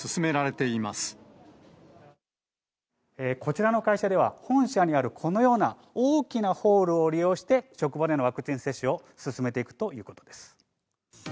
こちらの会社では、本社にあるこのような大きなホールを利用して、職場でのワクチン接種を進めていくということです。